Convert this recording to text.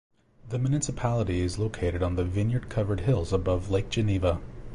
The municipality is located on the vineyard covered hills above Lake Geneva.